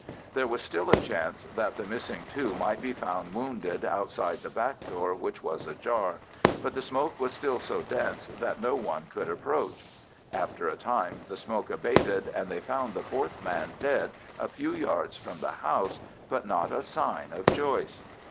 There was still a chance that the missing two might be found wounded outside the back door, which was ajar, but the smoke was still so dense that no one could approach. After a time the smoke abated, and they found the fourth man dead a few yards from the house, but not a sign of Joyce.